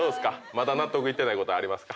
まだ納得いってないことありますか？